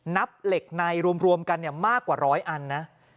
นับเหล็กในรวมกันมากกว่าร้อยอันนะ